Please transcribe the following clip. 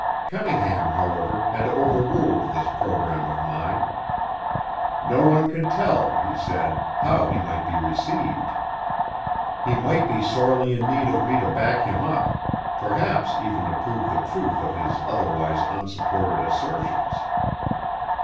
Cunningham, however, had overruled this programme of mine. No one could tell, he said, how he might be received. He might be sorely in need of me to back him up perhaps even to prove the truth of his otherwise unsupported assertions.